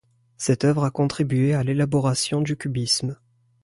Cette œuvre a contribué à l'élaboration du cubisme.